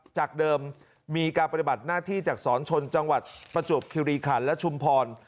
จากเดิมมีการปฏิบัติหน้าที่จากสอนชนจังหวัดประจวบคิริขันและชุมพร